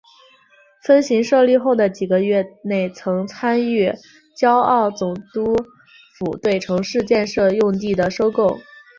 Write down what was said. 分行设立后的几个月内曾参与胶澳总督府对城市建设用地的收购。